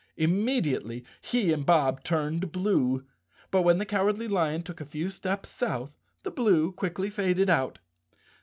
Immediately he and Bob turned blue, but when the Cowardly Lion took a few steps south, the blue quickly faded out.